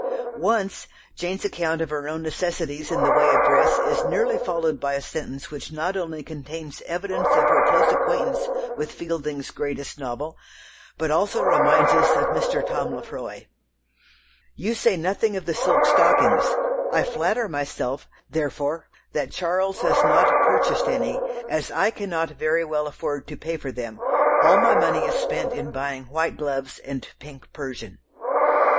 Once Jane's account of her own necessities in the way of dress is nearly followed by a sentence which not only contains evidence of her close acquaintance with Fielding's greatest novel, but also reminds us of Mr. Tom Lefroy. "You say nothing of the silk stockings; I flatter myself, therefore, that Charles has not purchased any, as I cannot very well afford to pay for them; all my money is spent in buying white gloves and pink persian....